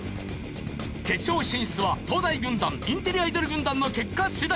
決勝進出は東大軍団インテリアイドル軍団の結果次第。